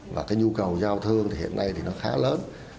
và cái nhu cầu giao thương thì hiện nay thì nó khá lớn